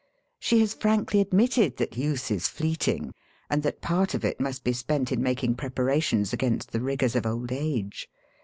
She has frankly admitted that youth is fleeting, and that part of it must be spent in mak ing preparatioDs against the rigours of old age.